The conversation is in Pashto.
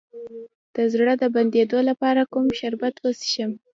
د زړه د بندیدو لپاره کوم شربت وڅښم؟